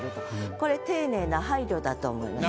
これ丁寧な配慮だと思います。